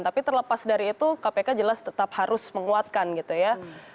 tapi terlepas dari itu kpk jelas tetap harus menguatkan gitu ya